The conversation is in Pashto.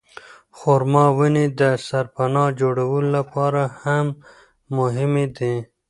خورما ونې د سرپناه جوړولو لپاره هم مهمې دي.